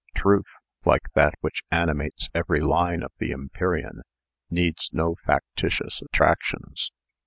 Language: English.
"TRUTH, like that which animates every line of the 'Empyrean,' needs no factitious attractions.